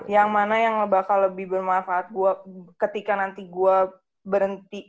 yang mana yang bakal lebih bermanfaat ketika nanti gue berhenti